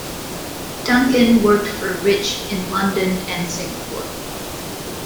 Duncan worked for Rich in London and Singapore.